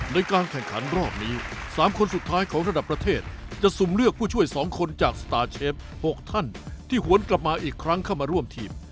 ในการแข่งขันรอบนี้๓คนสุดท้ายของระดับประเทศจะสุ่มเลือกผู้ช่วย๒คนจากสตาร์เชฟ๖ท่านที่หวนกลับมาอีกครั้งเข้ามาร่วมทีม